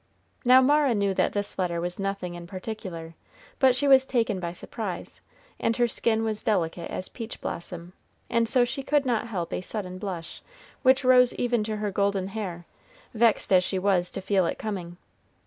Now Mara knew that this letter was nothing in particular, but she was taken by surprise, and her skin was delicate as peach blossom, and so she could not help a sudden blush, which rose even to her golden hair, vexed as she was to feel it coming.